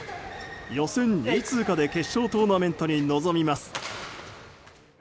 予選２位通過で決勝トーナメントに臨みます。